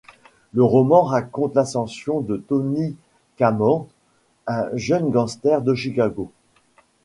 Le roman raconte l'ascension de Tony Camonte, un jeune gangster de Chicago.